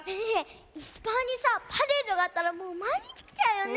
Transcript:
いすパーにさパレードがあったらもうまいにちきちゃうよね。